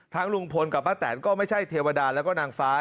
ลุงพลกับป้าแตนก็ไม่ใช่เทวดาแล้วก็นางฟ้า